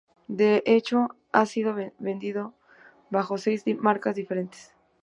De hecho, ha sido vendido bajo seis marcas diferentes.